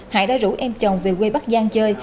hải đã rủ em chồng về quê bắc giang chơi